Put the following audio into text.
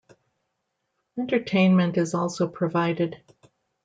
Entertainment is also provided.